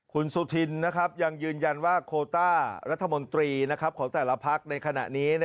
คุณสุธินยังยืนยันว่าโคต้ารัฐมนตรีของแต่ละพักในขณะนี้